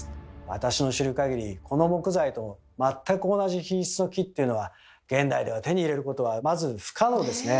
私の知る限りこの木材と全く同じ品質の木っていうのは現代では手に入れることはまず不可能ですね。